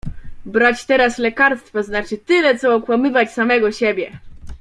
Brać teraz lekarstwa znaczy tyle, co okłamywać samego siebie.